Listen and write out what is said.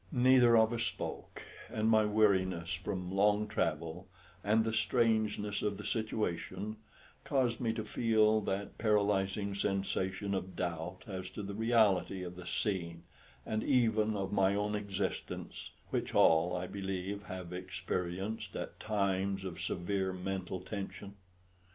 Neither of us spoke, and my weariness from long travel and the strangeness of the situation caused me to feel that paralysing sensation of doubt as to the reality of the scene, and even of my own existence, which all, I believe, have experienced at times of severe mental tension.